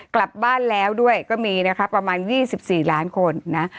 กลับบ้านแล้วด้วยก็มีนะคะประมาณ๒๔ล้านคนนะ